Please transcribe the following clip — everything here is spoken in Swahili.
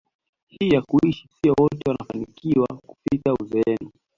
hii ya kuishi sio wote wanaofanikiwa kufika uzeeni